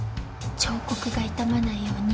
彫刻が傷まないように。